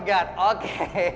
oh tuhan oke